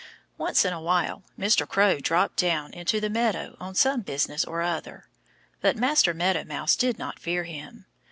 Once in a while Mr. Crow dropped down into the meadow on some business or other. But Master Meadow Mouse did not fear him.